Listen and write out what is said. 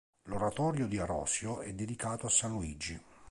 L'oratorio di Arosio è dedicato a San Luigi.